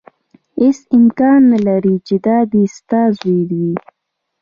هېڅ امکان نه لري چې دا دې ستا زوی وي.